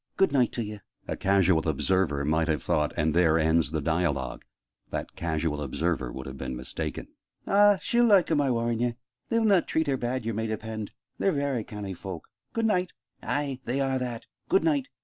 Good night t'ye!" A casual observer might have thought "and there ends the dialogue!" That casual observer would have been mistaken. "Ah, she'll like 'em, I war'n' ye! They'll not treat her bad, yer may depend. They're varry canny fowk. Good night!" "Ay, they are that! Good night!"